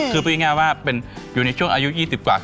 คือพูดง่ายว่าอยู่ในช่วงอายุ๒๐กว่า